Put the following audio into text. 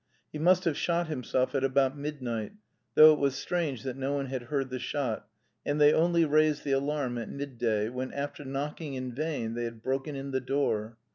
He must have shot himself at about midnight, though it was strange that no one had heard the shot, and they only raised the alarm at midday, when, after knocking in vain, they had broken in the door.